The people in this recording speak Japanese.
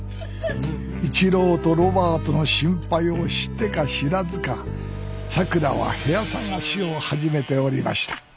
一朗とロバートの心配を知ってか知らずかさくらは部屋探しを始めておりました